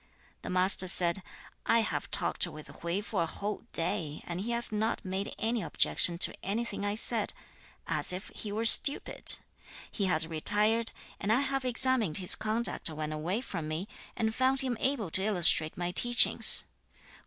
The Master said, 'I have talked with Hui for a whole day, and he has not made any objection to anything I said; as if he were stupid. He has retired, and I have examined his conduct when away from me, and found him able to illustrate my teachings.